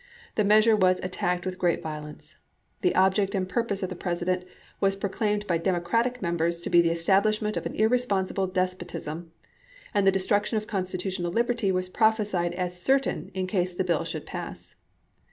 The measure was at tacked with great violence. The object and purpose THE ENEOLLMENT AND THE DKAFT { of the President was proclaimed by Democratic chap.i. members to be the establishment of an irresponsible i863. despotism ; and the destruction of constitutional liberty was prophesied as certain in case the bill should pass.